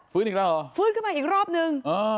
ฟื้นอีกแล้วเหรอฟื้นขึ้นมาอีกรอบหนึ่งอ้อ